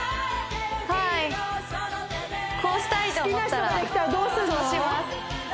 はいこうしたいと思ったらそうします